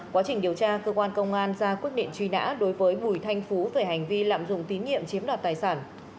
quá trình điều tra cơ quan công an ra quyết định truy nã đối với bùi thanh phú về hành vi lạm dụng tín nhiệm chiếm đoạt tài sản